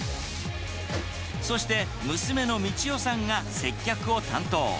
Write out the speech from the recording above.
そして娘の道代さんが接客を担当。